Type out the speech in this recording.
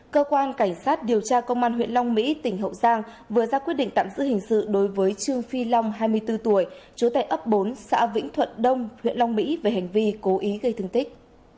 cơ quan cảnh sát điều tra công an huyện long mỹ tỉnh hậu giang vừa ra quyết định tạm giữ hình sự đối với trương phi long hai mươi bốn tuổi chú tại ấp bốn xã vĩnh thuận đông huyện long mỹ về hành vi cố ý gây thương tích